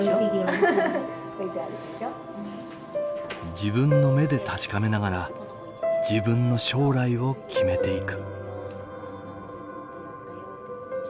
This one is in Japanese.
自分の目で確かめながら自分の将来を決めていく。